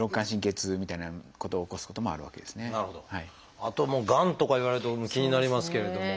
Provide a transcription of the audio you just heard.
あとがんとか言われると気になりますけれども。